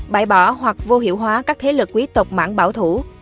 bãi bỏ hoặc vô hiệu hóa các thế lực quý tộc mạng bảo thủ